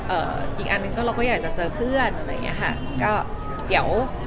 อีกอันหนึ่งก็เราก็อยากจะเจอเพื่อนอะไรอย่างเงี้ยค่ะก็เดี๋ยว